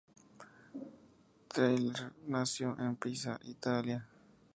Tyrell nació en Pisa, Italia.